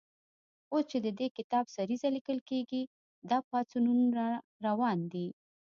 اوس چې د دې کتاب سریزه لیکل کېږي، دا پاڅونونه روان دي.